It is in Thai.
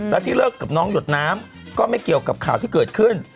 และที่เลิกกับน้องหยดน้ำก็ไม่เกี่ยวกับข่าวที่เกิดขึ้น